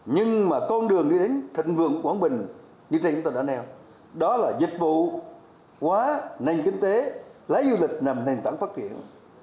nhưng mà con đường đi đến thịnh vườn của quảng bình như đây chúng ta đã nêu đó là dịch vụ quá nền kinh tế lãi du lịch nằm thành tảng phát triển